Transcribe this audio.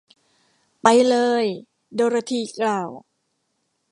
“ไปเลย ! ” โดโรธีกล่าว